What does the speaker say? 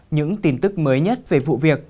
những tin tức mới nhất về vụ việc